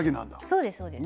そうですそうです。